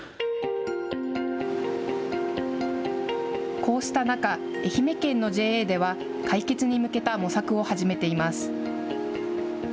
こうした中、愛媛県のＪＡでは、解決に向けた模索を始めています。